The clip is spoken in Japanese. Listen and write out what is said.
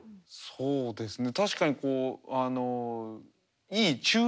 そうですね